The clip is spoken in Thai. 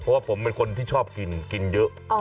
เพราะว่าผมเป็นคนที่ชอบกินกินเยอะ